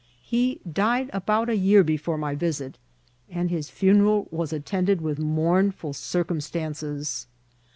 He died about a year before my visit, and his funeral was attended with mournful circumstances.